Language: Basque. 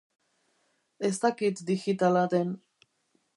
Ez dakit digitala den.